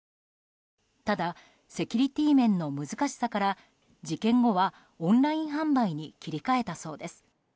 ただセキュリティー面の難しさから事件後はオンライン販売に切り替えたそうです。